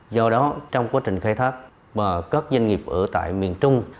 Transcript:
do đó trong quá trình khai thác các doanh nghiệp ở tại miền trung